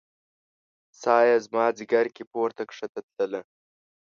ساه يې زما ځیګر کې پورته کښته تلله